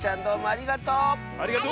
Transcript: ありがとう！